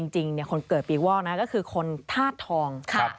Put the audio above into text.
จริงคนเกิดปีวอกนะก็คือคนธาตุทอง